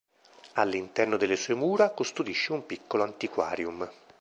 All'interno delle sue mura, custodisce un piccolo antiquarium.